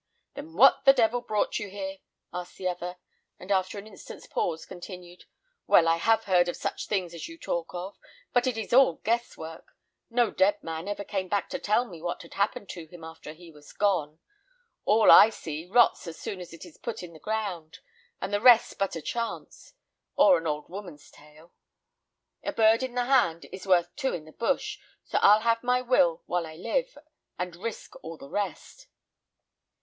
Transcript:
"Then what the devil brought you here?" asked the other; and after an instant's pause, continued, "Well, I have heard of such things as you talk of, but it is all guess work. No dead man ever came back to tell me what had happened to him after he was gone. All I see rots as soon as it's put in the ground, and the rest's but a chance, or an old woman's tale. A bird in the hand is worth two in the bush; so I'll have my will while I live, and risk all the rest."